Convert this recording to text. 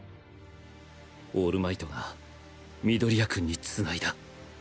オールマイトが緑谷くんに繋いだ。